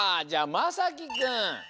まさきくん